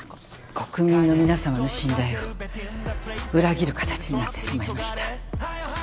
国民の皆様の信頼を裏切る形になってしまいました。